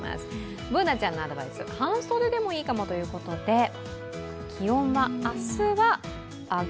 Ｂｏｏｎａちゃんのアドバイス、半袖でもいいかもということで、気温は明日は？